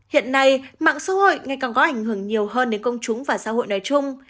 hiện nay mạng xã hội ngày càng có ảnh hưởng nhiều hơn đến công chúng và xã hội nói chung